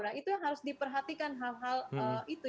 nah itu yang harus diperhatikan hal hal itu